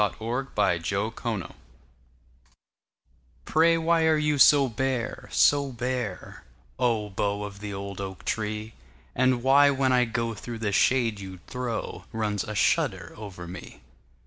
The Haunted Oak PRAY why are you so bare, so bare, Oh, bough of the old oak tree; And why, when I go through the shade you throw, Runs a shudder over me?